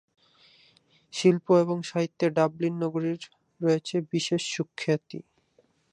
শিল্প এবং সাহিত্যে ডাবলিন নগরীর রয়েছে বিশেষ সুখ্যাতি।